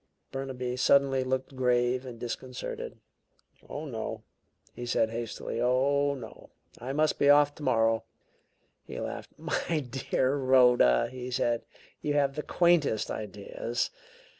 Burnaby suddenly looked grave and disconcerted. "Oh, no!" he said, hastily. "Oh, no! I must be off tomorrow." He laughed. "My dear Rhoda," he said, "you have the quaintest ideas.